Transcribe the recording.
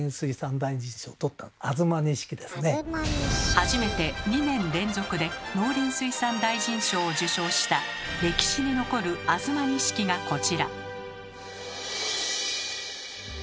初めて２年連続で農林水産大臣賞を受賞した歴史に残る「東錦」がこちら。